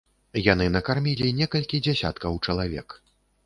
Яны накармілі некалькі дзясяткаў чалавек.